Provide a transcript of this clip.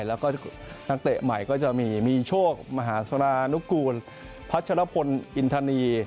แล้วก็นักเตะใหม่ก็จะมีมีโชคมหาสนานุกูลพัชรพลอินทานี